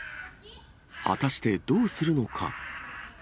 果たして、どうするのか。